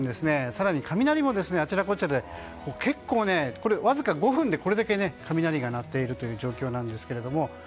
更に雷もあちらこちらでわずか５分でこれだけ雷が鳴っているという状況なんですけれども。